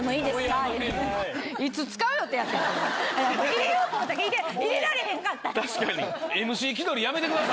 入れようと思って入れられへんかった。